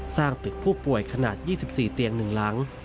สร้างตึกผู้ป่วยขนาด๒๔เตียง๑หลัง